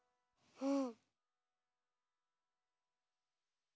うん。